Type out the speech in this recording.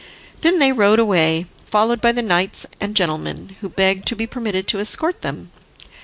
Then they rode away, followed by the knights and gentlemen, who begged to be permitted to escort them.